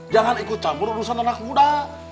jangan ikut campur urusan anak muda